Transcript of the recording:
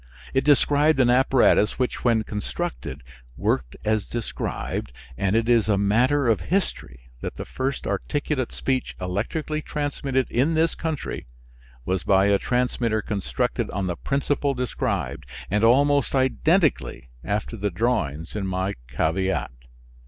It described an apparatus which, when constructed, worked as described, and it is a matter of history that the first articulate speech electrically transmitted in this country was by a transmitter constructed on the principle described, and almost identically after the drawings in my caveat.